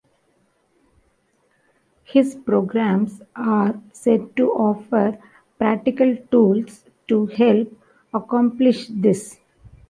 His programs are said to offer practical tools to help accomplish this.